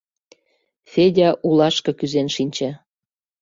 Федя улашке кӱзен шинче.